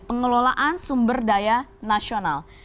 pengelolaan sumber daya nasional